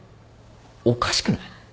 おかしくない？